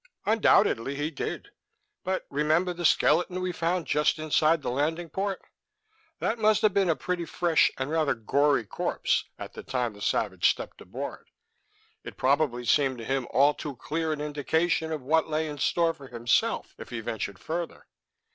"Undoubtedly he did. But remember the skeleton we found just inside the landing port? That must have been a fairly fresh and rather gory corpse at the time the savage stepped aboard. It probably seemed to him all too clear an indication of what lay in store for himself if he ventured further.